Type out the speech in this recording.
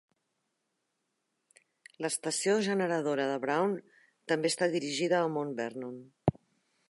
L'estació generadora de Brown també està dirigida a Mount Vernon.